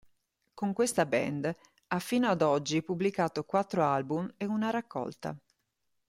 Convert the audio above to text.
Con questa band ha fino ad oggi pubblicato quattro album e una raccolta.